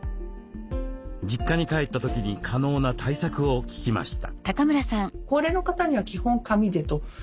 実家に帰った時に可能な対策を聞きました。